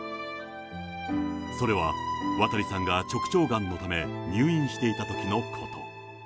それは、渡さんが直腸がんのため入院していたときのこと。